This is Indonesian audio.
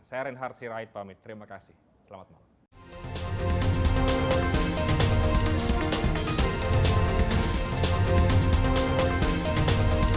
saya reinhard sirait pamit terima kasih selamat malam